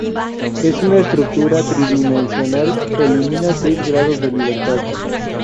En una estructura tridimensional elimina seis grados de libertad.